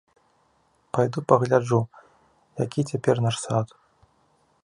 Пайду пагляджу, які цяпер наш сад.